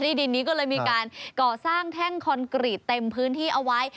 ดินนี้ก็เลยมีการก่อสร้างแท่งคอนกรีตเต็มพื้นที่เอาไว้